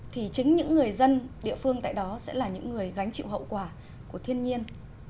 thì chính những người dân địa phương tại đó sẽ là những người gánh chịu hậu quả của thiên nhiên